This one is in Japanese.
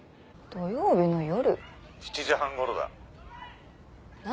土曜日の夜。